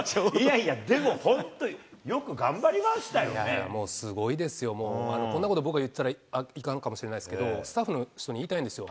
でも、本当、よく頑張りましもうすごいですよ、もう、こんなこと僕が言ったらいかんかもしれないですけれども、スタッフの人に言いたいんですよ。